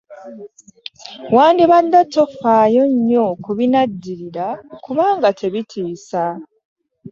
Wandibadde tofaayo nnyo ku binaddirira kubanga tebitiisa.